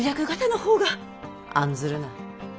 案ずるな。